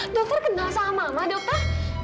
dokter kenal sama sama dokter